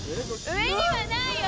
上にはないよ。